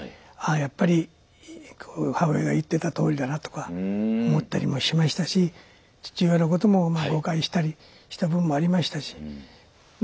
やっぱり母親が言ってたとおりだなとか思ったりもしましたし父親のこともまあ誤解したりした部分もありましたしま